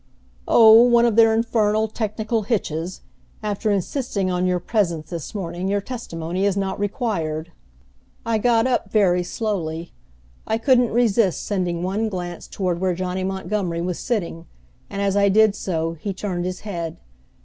"Oh, one of their infernal technical hitches. After insisting on your presence this morning, your testimony is not required." I got up very slowly. I couldn't resist sending one glance toward where Johnny Montgomery was sitting, and as I did so he turned his head.